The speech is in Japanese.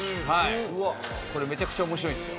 これめちゃくちゃ面白いんですよ。